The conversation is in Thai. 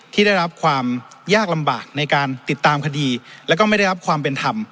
ที่ได้รับความยากลำบากในการติดตามคดีแล้วก็ไม่ได้รับความเป็นธรรม